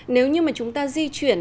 nếu như mà chúng ta di chuyển